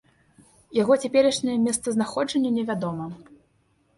Яго цяперашняе месцазнаходжанне невядома.